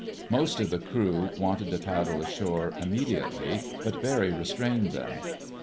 Most of the crew wanted to paddle ashore immediately, but Barry restrained them.